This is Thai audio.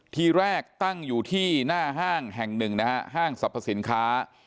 ทีแรกตั้งอยู่ที่หน้าห้างแห่งหนึ่งนะฮะห้างสรรพสินค้า